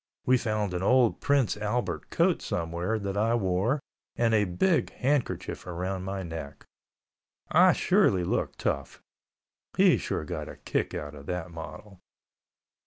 We found an old Prince Albert coat somewhere that I wore and a big handkerchief around my neck. I surely looked tough. He sure got a kick out of that model.